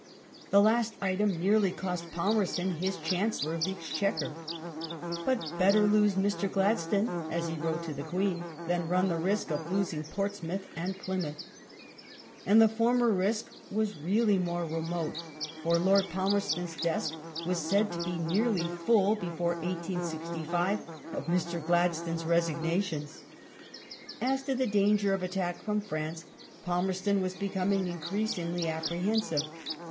The last item nearly cost Palmerston his Chancellor of the Exchequer. But "better lose Mr. Gladstone," as he wrote to the Queen, " than run the risk of losing Portsmouth and Plymouth ". And the former risk was really more remote, for Lord Palmerston's desk was said to be / nearly full before 1865 of Mr. Gladstone's resignations. As to the danger of attack from France, Palmerston was becoming increasingly apprehensive.